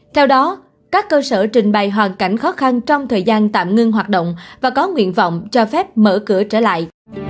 theo đó các cơ sở trình bày hoàn cảnh khó khăn trong thời gian tạm ngưng hoạt động và có nguyện vọng cho phép mở cửa trở lại